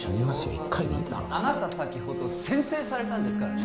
１回でいいだろあなた先ほど宣誓されたんですからね